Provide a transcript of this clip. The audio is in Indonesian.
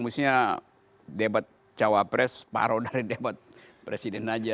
maksudnya debat cawapres paruh dari debat presiden saja